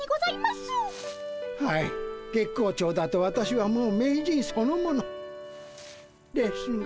はい月光町だと私はもう名人そのもの。ですが。